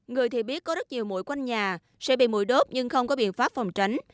người thì biết có rất nhiều mũi quanh nhà sẽ bị mũi đốt nhưng không có biện pháp phòng tránh